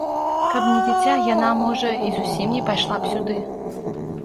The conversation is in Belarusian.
Каб не дзіця, яна, можа, і зусім не пайшла б сюды.